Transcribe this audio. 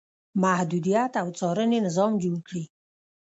محدودیت او څارنې نظام جوړ کړي.